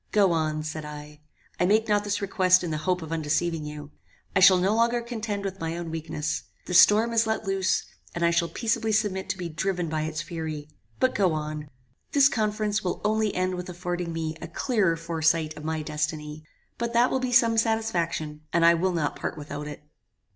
"Go on," said I. "I make not this request in the hope of undeceiving you. I shall no longer contend with my own weakness. The storm is let loose, and I shall peaceably submit to be driven by its fury. But go on. This conference will end only with affording me a clearer foresight of my destiny; but that will be some satisfaction, and I will not part without it."